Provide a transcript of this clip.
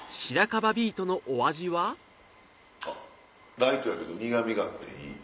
ライトやけど苦味があっていい。